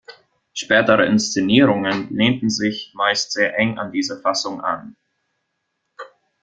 Spätere Inszenierungen lehnten sich meist sehr eng an diese Fassung an.